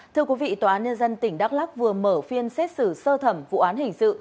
thưa quý vị tòa án nhân dân tỉnh đắk lắc vừa mở phiên xét xử sơ thẩm vụ án hình sự